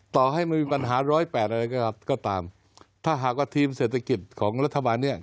ต่อให้มันมีปัญหาร้อยแปดอะไรก็ตามถ้าหากว่าทีมเศรษฐกิจของรัฐบาลเนี่ย